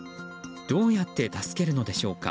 どうやって助けるのでしょうか。